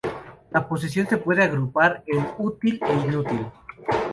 La posesión se puede agrupar en útil e inútil.